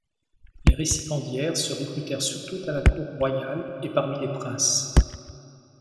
Les récipiendaires se recrutèrent surtout à la cour royale et parmi les princes.